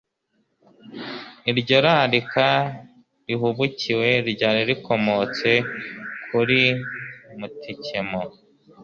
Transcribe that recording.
Iryo rarika rihubukiwe ryari rikomotse k'urimutcyemo.